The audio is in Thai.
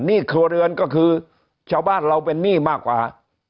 หนี้ครัวเรือนก็คือชาวบ้านเราเป็นหนี้มากกว่าทุกยุคที่ผ่านมาครับ